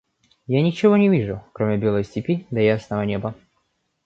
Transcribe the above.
– Я ничего не вижу, кроме белой степи да ясного неба.